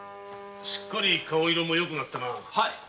すっかり顔色もよくなったな。